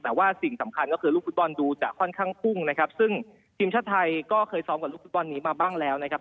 แต่ว่าสิ่งสำคัญก็คือลูกฟุตบอลดูจะค่อนข้างพุ่งนะครับซึ่งทีมชาติไทยก็เคยซ้อมกับลูกฟุตบอลนี้มาบ้างแล้วนะครับ